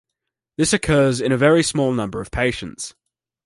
This occurs in a very small number of patients.